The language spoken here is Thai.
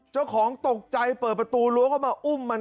เจ้าของตกใจเปิดประตูรั้วเข้ามาอุ้มมัน